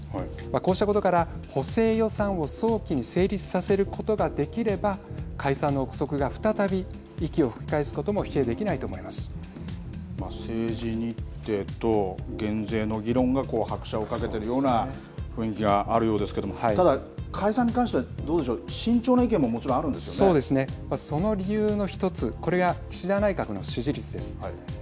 こうしたことから補正予算を早期に成立させることができれば解散の臆測が、再び息を吹き返すことも政治日程と減税の議論が拍車をかけているような雰囲気があるようですがただ解散に関してはどうでしょう、慎重な意見もその理由の１つそれは、岸田内閣の支持率です。